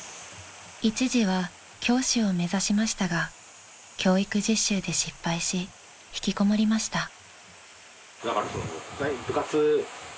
［一時は教師を目指しましたが教育実習で失敗し引きこもりました］